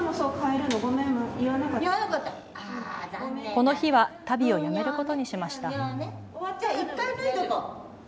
この日は足袋をやめることにしました。